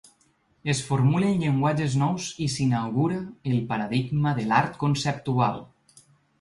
Es formulen llenguatges nous i s’inaugura el paradigma de l’art conceptual.